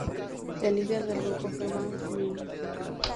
El líder del grupo fue Wang Ming.